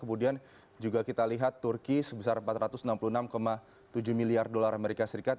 kemudian juga kita lihat turki sebesar empat ratus enam puluh enam tujuh miliar dolar amerika serikat